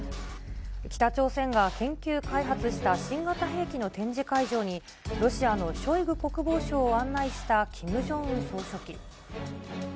北朝鮮が研究開発した新型兵器の展示会場に、ロシアのショイグ国防相を案内したキム・ジョンウン総書記。